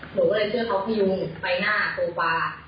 หนูก็เลยเชื่อเขาพยุงไปหน้าโซฟา